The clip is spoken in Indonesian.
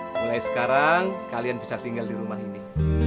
mulai sekarang kalian bisa tinggal di rumah ini